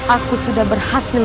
aku sudah berhasil